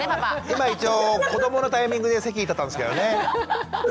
今一応子どものタイミングで席立ったんですけどね。